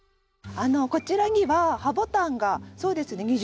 こちらにはハボタンがそうですね